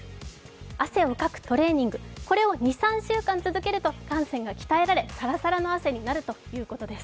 汗をかくトレーニング、これを２３週間続けると汗腺が鍛えられサラサラの汗になるということです。